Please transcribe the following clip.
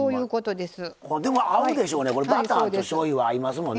でも合うでしょうね